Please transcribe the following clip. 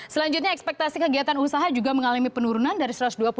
selanjutnya ekspektasi kegiatan usaha juga mengalami penurunan dari satu ratus dua puluh satu